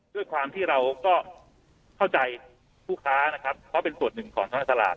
ด้วยความที่เราก็เข้าใจผู้ค้านะครับเพราะเป็นส่วนหนึ่งของทางตลาด